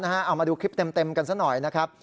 เอามาดูคลิปเต็มกันซะหน่อยนะครับ